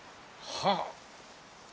はあ。